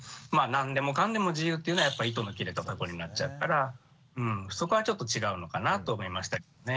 何でもかんでも自由っていうのは糸の切れたたこになっちゃうからそこはちょっと違うのかなと思いましたけどね。